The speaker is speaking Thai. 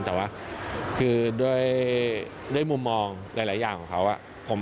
แต่ว่าคือด้วยมุมมองหลายอย่างของเขา